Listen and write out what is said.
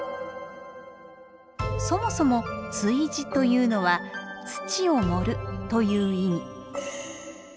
そもそも「築地」というのは「土を盛る」という意味。